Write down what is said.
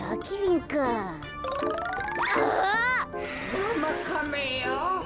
ガマカメよ。